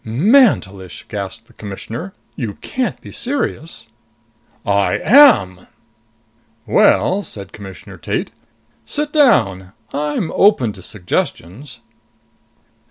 "Mantelish!" gasped the Commissioner. "You can't be serious!" "I am." "Well," said Commissioner Tate, "sit down. I'm open to suggestions."